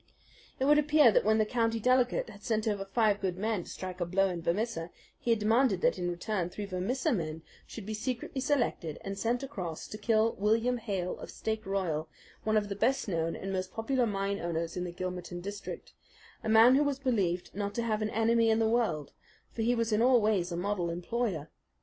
It would appear that when the County Delegate had sent over five good men to strike a blow in Vermissa, he had demanded that in return three Vermissa men should be secretly selected and sent across to kill William Hales of Stake Royal, one of the best known and most popular mine owners in the Gilmerton district, a man who was believed not to have an enemy in the world; for he was in all ways a model employer.